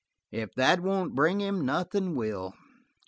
"If that won't bring him, nothin' will.